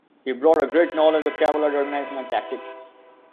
He brought a great knowledge of cavalry organization and tactics.